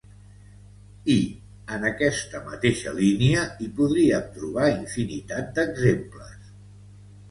I, en aquesta mateixa línia, hi podríem trobar infinitat d'exemples.